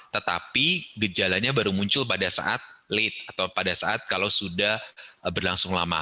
tetapi gejalanya baru muncul pada saat late atau pada saat kalau sudah berlangsung lama